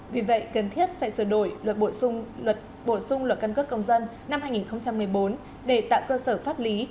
vì vậy cần thiết phải sửa đổi luật bổ sung luật căn cước công dân năm hai nghìn một mươi bốn để tạo cơ sở pháp lý